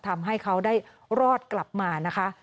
ทำให้เขาได้รอดกลับมานะคะ